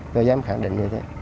tôi dám khẳng định như thế